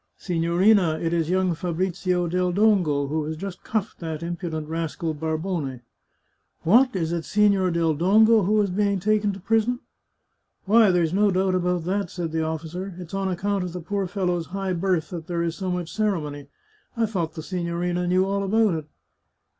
" Signorina, it is young Fabrizio del Dongo, who has just cuffed that impudent rascal Barbone." " What ! is it Signor del Dongo who is being taken to prison ?"" Why, there's no doubt about that," said the officer. " It's on account of the poor fellow's high birth that there is so much ceremony. I thought the signorina knew all about it."